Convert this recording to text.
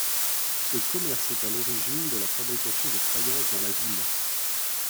Ce commerce est à l'origine de la fabrication de faïence dans la ville.